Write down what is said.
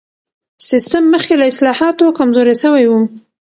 سیستم مخکې له اصلاحاتو کمزوری سوی و.